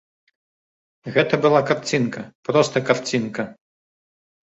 Гэта была карцінка, проста карцінка.